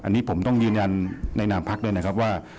อันนี้ผมต้องยืนยันในนามพักด้วยนะครับว่า